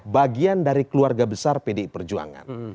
bagian dari keluarga besar pdi perjuangan